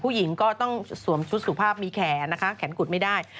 ผู้หญิงก็ต้องสวมชุดสุภาพมีแขนนะคะแขนกุดไม่ได้